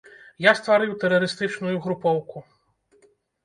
Я стварыў тэрарыстычную групоўку!